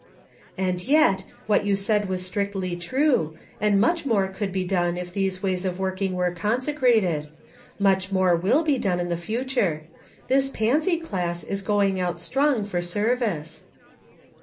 " And yet, what you said was strictly true, and much more could be done if all these ways of work ing were consecrated. Much more will be done in the future. This Pansy Class is going out strong for service."